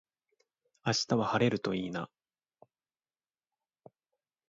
明日は晴れるといいな